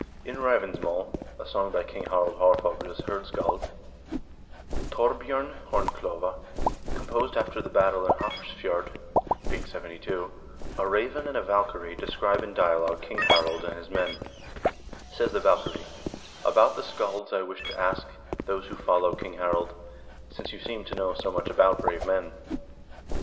In " Ravnsmaal," a song by King Harald Haarfagre's hirdscald, Thorbj0rn Hornklove, composed after the battle in Hafrsf jord (872), a raven and a valkyrie describe in a dialogue King Harald and his men. Says the valkyrie : About the scalds I wish to ask, those who follow King Harald, since you seem to know so much about brave men.